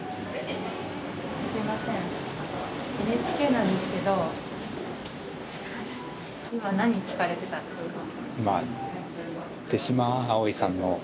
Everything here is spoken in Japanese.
ＮＨＫなんですけどいま何聴かれてたんですか？